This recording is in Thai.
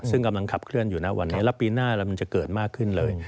ซึ่งกำลังขับเคลื่อนอยู่นะวันนี้แล้วปีหน้าแล้วมันจะเกิดมากขึ้นเลย